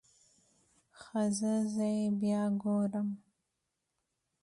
ښه ځه زه يې بيا ګورم.